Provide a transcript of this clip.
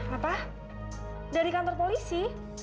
apa dari kantor polisi